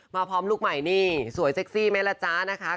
พร้อมลูกใหม่นี่สวยเซ็กซี่ไหมล่ะจ๊ะนะคะ